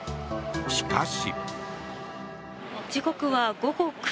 しかし。